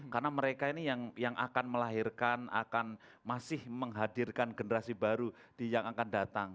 karena mereka ini yang akan melahirkan akan masih menghadirkan generasi baru yang akan datang